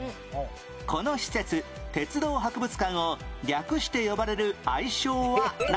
この施設鉄道博物館を略して呼ばれる愛称は何？